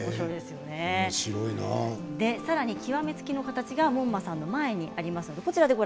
さらに極め付きの形が門馬さんの前にあります。